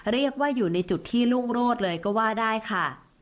เรียกว่าอยู่ในจุดที่รุ่งโรดเลยก็ว่าได้ค่ะ